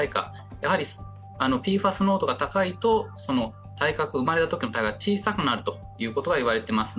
やはりＰＦＡＳ濃度が高いと生まれたときの体格が小さくなるということがいわれています。